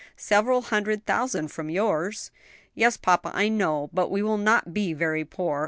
"Several hundred thousand from yours." "Yes, papa, I know; but we will not be very poor.